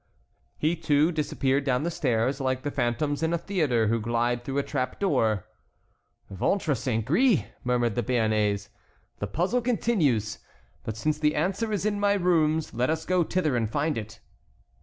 He, too, disappeared down the stairs, like the phantoms in a theatre who glide through a trap door. "Ventre saint gris!" murmured the Béarnais, "the puzzle continues; but since the answer is in my rooms, let us go thither and find it."